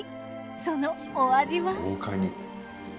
そのお味は？